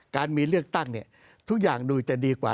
การมีเลือกตั้งเนี่ยทุกอย่างดูจะดีกว่า